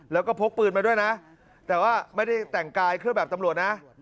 แล้วก็พกปืนมาด้วยนะแต่ว่าไม่ได้แต่งกายเครื่องแบบตำรวจนะ